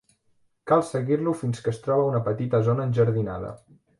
Cal seguir-lo fins que es troba una petita zona enjardinada.